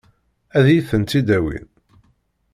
Ad iyi-tent-id-awin?